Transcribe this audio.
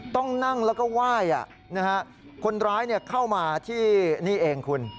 ต้องนั่งแล้วก็ไหว้คนร้ายเข้ามาที่นี่เองคุณ